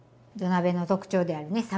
土鍋の特徴であるね